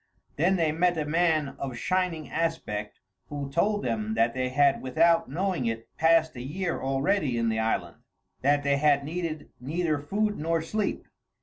Then they met a man of shining aspect who told them that they had without knowing it passed a year already in the island; that they had needed neither food nor sleep.